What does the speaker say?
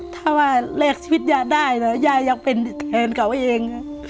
ถ้าว่าเลขชีวิตยายได้ยายยังเป็นแทนเขาเอง